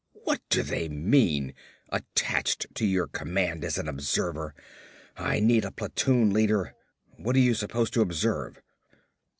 "What do they mean, 'attached to your command as an observer'? I need a platoon leader! What are you supposed to observe?"